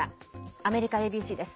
アメリカＡＢＣです。